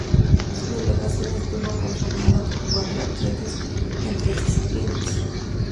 Su delegación estuvo conformada por cuatro atletas en tres disciplinas.